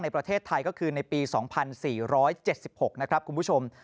ประเทศไทยก็คือในปี๒๔๗๖นะครับคุณผู้ชม